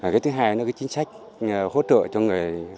cái thứ hai là cái chính sách hỗ trợ cho người lao động